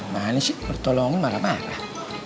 mane sih bertolong marah marah